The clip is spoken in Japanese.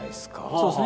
そうですね。